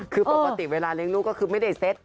คือปกติเวลาเลี้ยงลูกก็คือไม่ได้เซ็ต